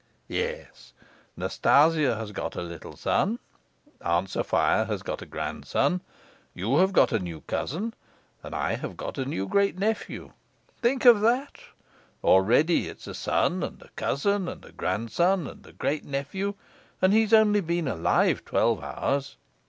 "Yes. Nastasia has got a little son, Aunt Sofia has got a grandson, you have got a new cousin, and I have got a new great nephew. Think of that! Already it's a son, and a cousin, and a grandson, and a great nephew, and he's only been alive twelve hours.